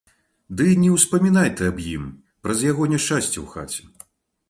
Ды не ўспамінай ты аб ім, праз яго няшчасце ў хаце.